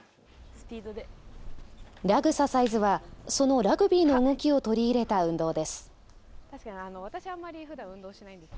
ラグササイズはそのラグビーの動きを取り入れた運動です。